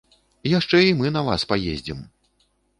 Яшчэ і мы на вас паездзім!